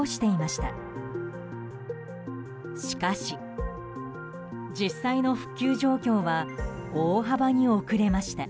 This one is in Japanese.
しかし、実際の復旧状況は大幅に遅れました。